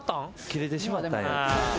切れてしまったんや。